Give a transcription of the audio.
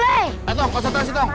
atong kau setausi tong